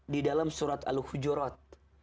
di dalam surat al hujurat